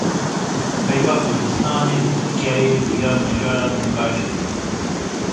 Peyva Kurdistanê li Tirkiyeyê bûye mijara nîqaşê.